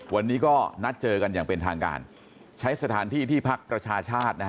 วันนี้ก็นัดเจอกันอย่างเป็นทางการใช้สถานที่ที่พักประชาชาตินะฮะ